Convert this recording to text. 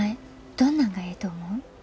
どんなんがええと思う？